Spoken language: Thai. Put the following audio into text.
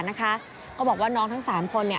นะคะก็บอกว่าน้องทั้ง๓คนเนี่ย